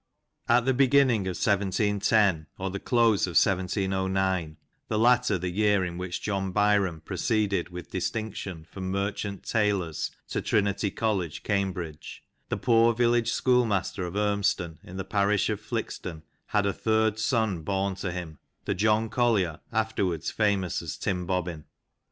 At the beginning of 17 lo, or the close of 1709 — the latter the year in which John Byrom proceeded with distinc tion from Merchant Taylors' to Trinity College, Cambridge — the poor village schoolmaster of Urmston, in the parish of FUxton, had a third son born to him, the John Collier afterwards famous as Tim Bobbin.